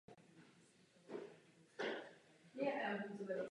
Římská legie zde pravděpodobně germánské kmeny porazila nebo donutila k ústupu.